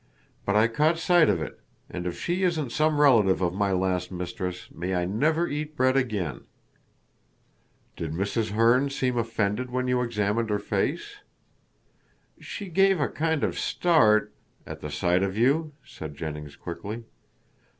But I caught sight of it, and if she isn't some relative of my last mistress, may I never eat bread again." "Did Mrs. Herne seem offended when you examined her face?" "She gave a kind of start " "At the sight of you," said Jennings quickly.